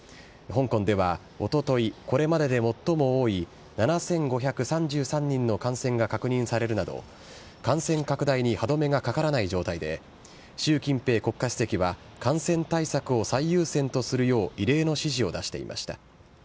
香港ではおととい、これまでで最も多い７５３３人の感染が確認されるなど、感染拡大に歯止めがかからない状態で、習近平国家主席は、感染対策を最優先とするよう、異例の指示を出していました。